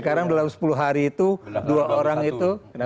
kalau sepuluh hari itu dua orang itu